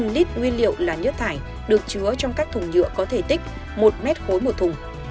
bốn lít nguyên liệu là nhớt tải được chứa trong các thùng nhựa có thể tích một m khối một thùng